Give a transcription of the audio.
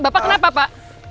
bapak kenapa pak